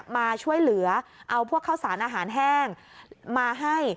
มาช่วยเหลือเอาพวกข้าวสารอาหารแห้งมาให้